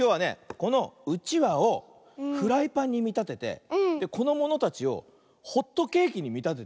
このうちわをフライパンにみたててこのものたちをホットケーキにみたててね